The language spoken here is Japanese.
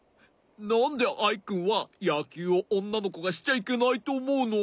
なんでアイくんはやきゅうをおんなのこがしちゃいけないとおもうの？